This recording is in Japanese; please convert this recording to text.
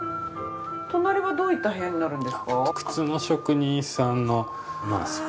隣はどういった部屋になるんですか？